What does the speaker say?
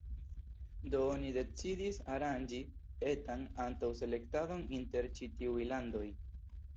Do oni decidis aranĝi etan antaŭ-selektadon inter ĉi-tiuj landoj.